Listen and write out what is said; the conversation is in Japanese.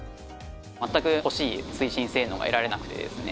全く欲しい推進性能が得られなくてですね